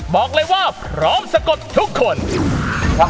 บอกเลยว่าพร้อมสะกดทุกคน